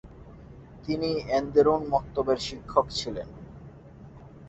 তিনি এন্দেরুন মক্তবের শিক্ষক ছিলেন।